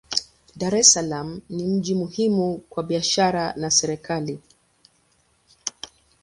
Dar es Salaam ni mji muhimu kwa biashara na serikali.